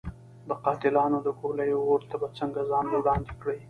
د قاتلانو د ګولیو اور ته به څنګه ځان ور وړاندې کړي.